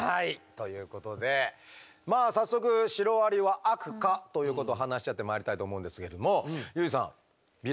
ということで早速シロアリは悪かということを話し合ってまいりたいと思うんですけどもユージさんヴィランシロアリさん